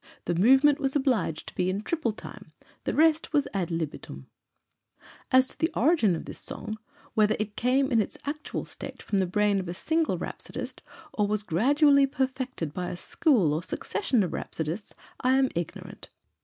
The movement was obliged to be in triple time; the rest was ad libitum. As to the origin of this song whether it came in its actual state from the brain of a single rhapsodist, or was gradually perfected by a school or succession of rhapsodists, I am ignorant.